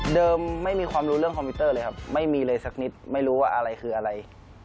ไม่มีความรู้เรื่องคอมพิวเตอร์เลยครับไม่มีเลยสักนิดไม่รู้ว่าอะไรคืออะไร